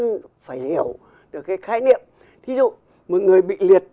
là dân phải hiểu được cái khái niệm thì dù một người bị liệt tay phải thì bây giờ phải luyện tay tms